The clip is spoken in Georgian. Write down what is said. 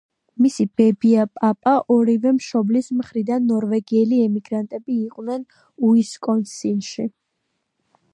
მისი ბებია-პაპა ორივე მშობლის მხრიდან ნორვეგიელი ემიგრანტები იყვნენ უისკონსინში.